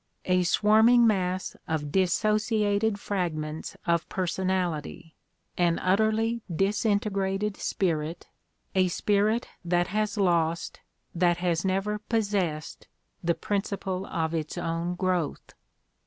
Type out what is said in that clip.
A swarming mass of dis sociated fragments of personality, an utterly disinte grated spirit, a spirit that has lost, that has never possessed, the principle of its own growth.